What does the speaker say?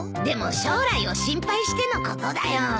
でも将来を心配してのことだよ。